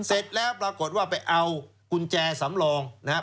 เสร็จแล้วปรากฏว่าไปเอากุญแจสำรองนะครับ